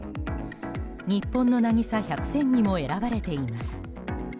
日本の渚・１００選にも選ばれています。